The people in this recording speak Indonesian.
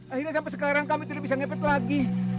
akhirnya sampai sekarang kami tidak bisa ngepet lagi